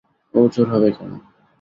ও চোর হবে কেন?